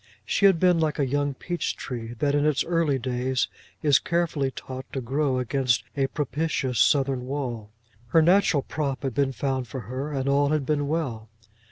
She had been like a young peach tree that, in its early days, is carefully taught to grow against a propitious southern wall. Her natural prop had been found for her, and all had been well.